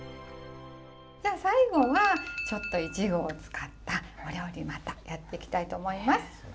じゃあ最後はいちごを使ったお料理またやっていきたいと思います。